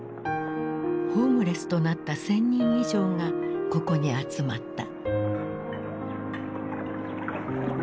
ホームレスとなった１，０００人以上がここに集まった。